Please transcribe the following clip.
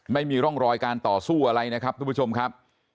ไม่มีร่องรอยการต่อสู้อะไรนะครับทุกผู้ชมครับ